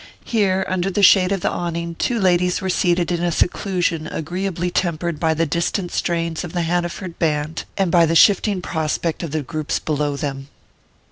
Here, under the shade of the awning, two ladies were seated in a seclusion agreeably tempered by the distant strains of the Hanaford band, and by the shifting prospect of the groups below them.